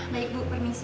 baik bu permisi